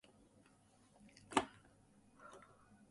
Others appeared on the 'Port Road' from Dumfries to Stranraer.